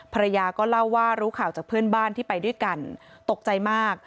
ภรรยาก็เล่าว่ารู้ข่าวจากเพื่อนบ้านที่ไปด้วยกันตกใจมาก